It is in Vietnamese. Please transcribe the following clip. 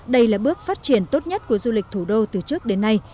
đây là bước phát triển tốt nhất của du lịch thủ đô từ trước đến nay